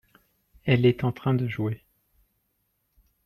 elle est en train de jouer.